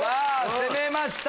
攻めました！